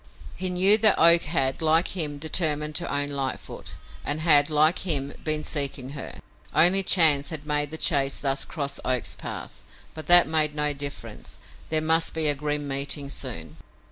He knew that Oak had, like him, determined to own Lightfoot, and had like him, been seeking her. Only chance had made the chase thus cross Oak's path; but that made no difference. There must be a grim meeting soon.